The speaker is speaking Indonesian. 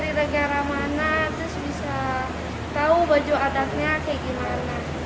bisa lihat dari mana terus bisa tahu baju adatnya kayak gimana